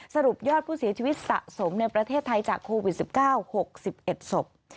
สรุปยอดผู้เสียชีวิตสะสมในประเทศไทยจากโควิด๑๙๖๑ศพ